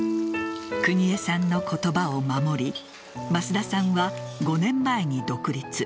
邦衛さんの言葉を守り増田さんは５年前に独立。